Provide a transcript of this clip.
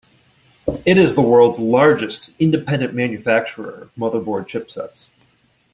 It is the world's largest independent manufacturer of motherboard chipsets.